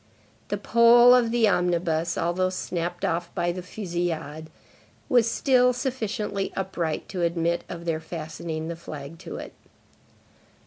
The pole of the omnibus, although snapped off by the fusillade, was still sufficiently upright to admit of their fastening the flag to it.